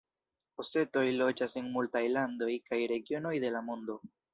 Osetoj loĝas en multaj landoj kaj regionoj de la mondo.